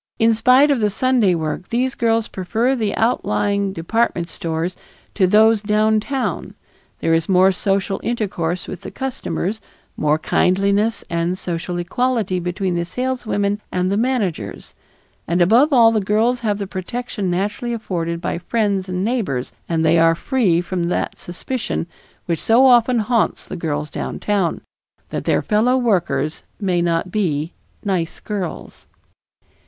In spite of the Sunday work, these girls prefer the outlying department stores to those downtown; there is more social intercourse with the customers, more kindliness and social equality between the saleswomen and the managers, and above all the girls have the protection naturally afforded by friends and neighbors and they are free from that suspicion which so often haunts the girls downtown, that their fellow workers may not be "nice girls."